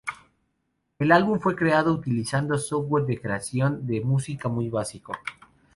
El álbum fue creado utilizando software de creación de música muy básico.